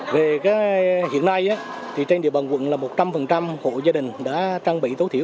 về hiện nay trên địa bàn quận là một trăm linh của gia đình đã trang bị tối thiểu